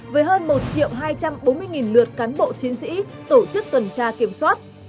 với hơn một hai trăm bốn mươi lượt cán bộ chiến sĩ tổ chức tuần tra kiểm soát